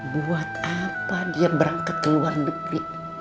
buat apa dia berangkat keluar negeri